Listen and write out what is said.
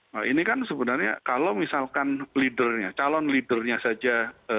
nah ini kan sebenarnya kalau misalkan calon leader nya saja